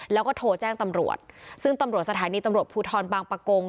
แล้วก็โทรแจ้งตำรวจซึ่งตำรวจสถานีตำรวจภูทรบางประกง